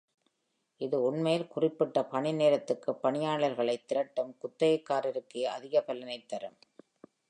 இது உண்மையில் குறிப்பிட்ட பணி நேரத்திற்கு பணியாளர்களை திரட்டும் குத்தகைதாரருக்கே அதிக பலனை தரும்.